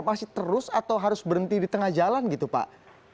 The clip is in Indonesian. masih terus atau harus berhenti di tengah jalan gitu pak